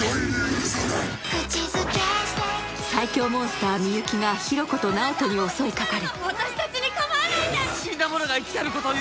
最凶モンスター・美雪が比呂子と直人に襲いかかる。